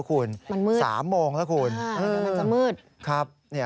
มันมืดมันจะมืดสามโมงแล้วคุณ